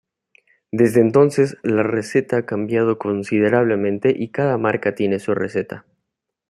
Desde entonces la receta ha cambiado considerablemente y cada marca tiene su receta.